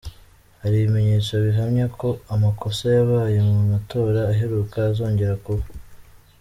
Hari ibimenyetso bihamya ko amakosa yabaye mu matora aheruka azongera kuba.